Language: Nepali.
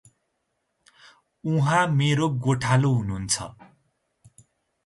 उहाँ मेरो गोठालो हुनुहुन्छ।